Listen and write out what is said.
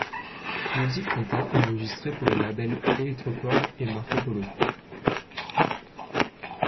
Iosif Conta a enregistré pour les labels Electrocord et Marco Polo.